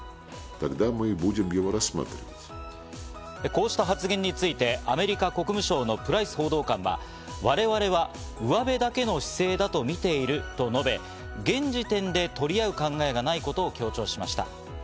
こうした発言についてアメリカ国務省のプライス報道官は、我々はうわべだけの姿勢だとみていると述べ、現時点で取り合う考えがないことを強調しました。